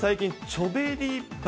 チョベリバ。